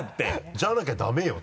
じゃなきゃダメよ。